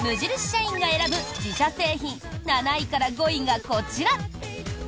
社員が選ぶ自社製品７位から５位がこちら。